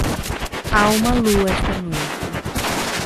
Há uma lua esta noite.